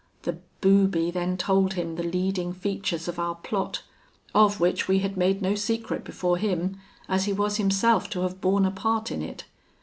"The booby then told him the leading features of our plot, of which we had made no secret before him, as he was himself to have borne a part in it.